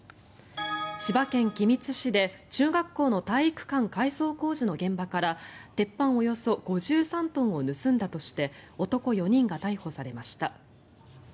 千葉県君津市で、中学校の体育館改装工事の現場から鉄板およそ５３トンを盗んだとして男４人が逮捕されました。